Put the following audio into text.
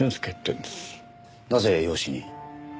なぜ養子に？